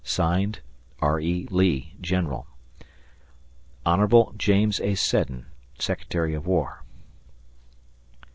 (Signed) R. E. Lee, General. Hon. James A. Seddon, Secretary of War.